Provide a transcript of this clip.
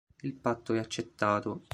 Il patto è accettato.